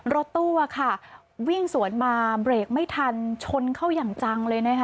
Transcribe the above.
รถตัววิ่งสวนมาเบรกไม่ทันชนเข้ายังจังเลย